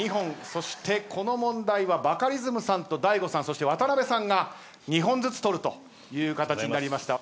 そしてこの問題はバカリズムさんと大悟さんそして渡辺さんが２本ずつ取るという形になりました。